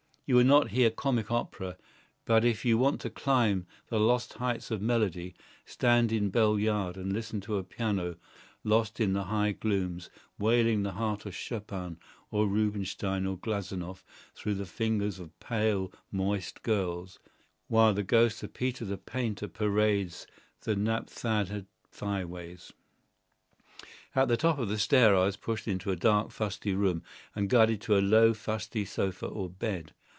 You will not hear comic opera, but if you want to climb the lost heights of melody, stand in Bell Yard, and listen to a piano, lost in the high glooms, wailing the heart of Chopin, or Rubinstein or Glazounoff through the fingers of pale, moist girls, while the ghost of Peter the Painter parades the naphtha'd highways. At the top of the stair I was pushed into a dark, fusty room, and guided to a low, fusty sofa or bed.